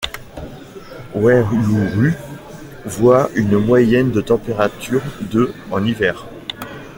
Waiouru voit une moyenne de température de en hiver.